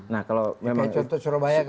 nah kalau memang